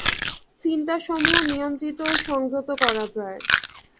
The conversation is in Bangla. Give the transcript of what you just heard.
চিন্তাসমূহ নিয়ন্ত্রিত ও সংযত করা যায়।